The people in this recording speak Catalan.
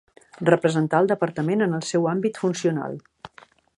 Representar el Departament en el seu àmbit funcional.